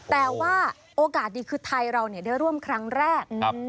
แต่ว่าโอกาสดีคือไทยเราได้ร่วมครั้งแรก